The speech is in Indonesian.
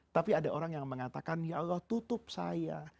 tapi ada orang yang mengatakan ya allah tutup saya